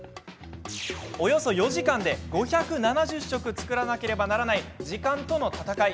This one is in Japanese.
およそ４時間で５７０食作らなければならない時間との闘い。